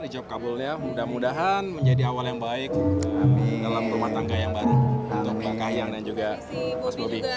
dijawab kabulnya mudah mudahan menjadi awal yang baik dalam rumah tangga yang baru untuk mbak kahiyang dan juga mas bobi